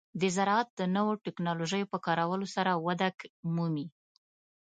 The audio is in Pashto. د زراعت د نوو ټکنالوژیو په کارولو سره وده مومي.